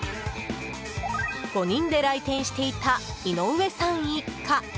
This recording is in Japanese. ５人で来店していた井上さん一家。